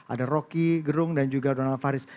ada rocky gerung dan juga donald faris